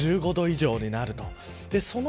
気温も１５度以上になると。